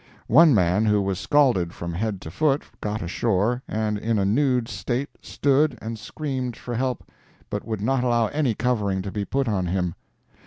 One man, who was scalded from head to foot, got ashore, and in a nude state stood and screamed for help, but would not allow any covering to be put on him.